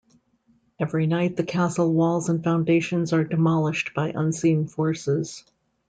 Every night the castle walls and foundations are demolished by unseen forces.